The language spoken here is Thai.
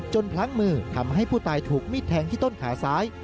พลั้งมือทำให้ผู้ตายถูกมิดแทงที่ต้นขาซ้าย